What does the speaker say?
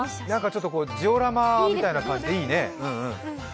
ちょっとジオラマみたいな感じでいいね。